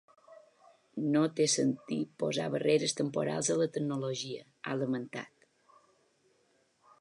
No té sentir posar barreres temporals a la tecnologia, ha lamentat.